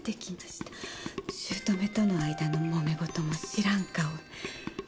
姑との間のもめ事も知らん顔。